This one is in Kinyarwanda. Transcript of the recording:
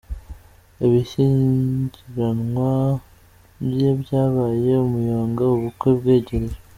Ibishyingiranwa bye byabaye umuyonga ubukwe bwegereje